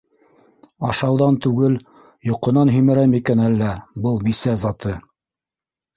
Ашауҙан түгел, йоҡонан һимерә микән әллә был бисә заты?